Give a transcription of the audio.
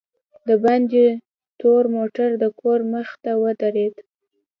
دباندې تور موټر دکور مخې ته ودرېد.